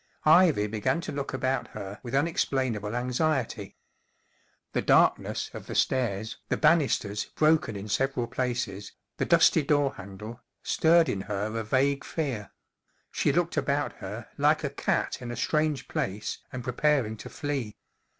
Ivy began to look about her with unexplainable anxiety. The darkness of the stairs, the banisters broken in several places, the dusty door handle, stirred in her a vague fear; she looked about her like a cat in a strange place and preparing to flee.